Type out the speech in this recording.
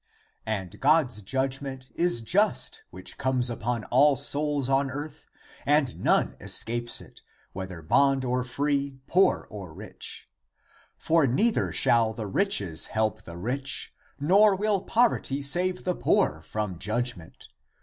<And God's judgment is just which comes upon all souls on earth, and none escapes it,> whether bond or free, poor or rich. For neither shall the riches help the rich, nor will poverty save the poor from judgment.